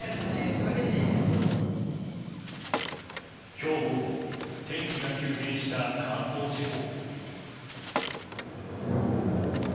今日午後天気が急変した関東地方。